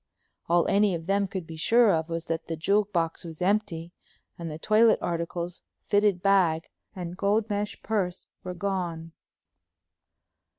All any of them could be sure of was that the jewel box was empty, and the toilet articles, fitted bag, and gold mesh purse were gone.